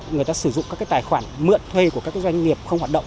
người ta sử dụng các tài khoản mượn thuê của các doanh nghiệp không hoạt động